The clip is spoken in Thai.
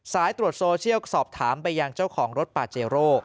สายตรวจโซเชียลสอบถามไปยังเจ้าของรถปาเจโร่